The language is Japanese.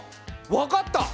わかった！